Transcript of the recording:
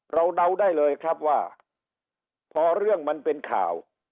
เดาได้เลยครับว่าพอเรื่องมันเป็นข่าว